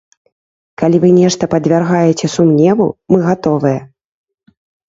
Калі вы нешта падвяргаеце сумневу, мы гатовыя.